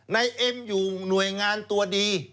เอ็มอยู่หน่วยงานตัวดี